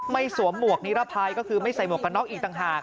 สวมหมวกนิรภัยก็คือไม่ใส่หมวกกันน็อกอีกต่างหาก